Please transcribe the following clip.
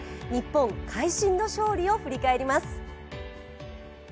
日本、会心の勝利を振り返ります。